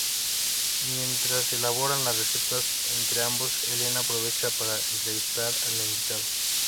Mientras elaboraban las recetas entre ambos, Elena aprovechaba para entrevistar al invitado.